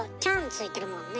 付いてるもんね。